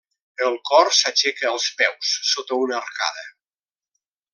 El cor s'aixeca als peus, sota una arcada.